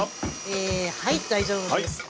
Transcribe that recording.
えはい大丈夫です。